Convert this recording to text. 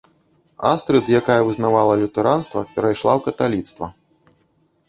Астрыд, якая вызнавала лютэранства, перайшла ў каталіцтва.